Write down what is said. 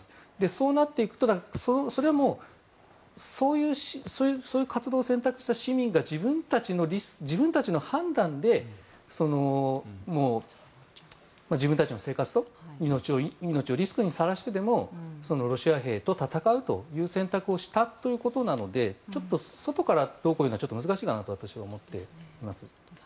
そうなっていくと、それはもうそういう活動を選択した市民が自分たちの判断で自分たちの生活と命をリスクにさらしてでもロシア兵と戦うという選択をしたということなのでちょっと外からどうこう言うのは難しいかなと私は思っています。